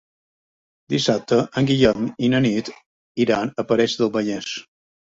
Dissabte en Guillem i na Nit iran a Parets del Vallès.